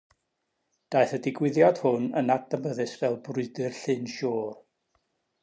Daeth y digwyddiad hwn yn adnabyddus fel Brwydr Llyn Siôr.